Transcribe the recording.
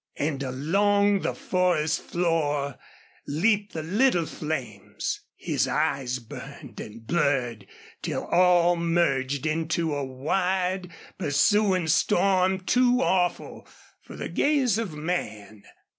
And along the forest floor leaped the little flames. His eyes burned and blurred till all merged into a wide, pursuing storm too awful for the gaze of man.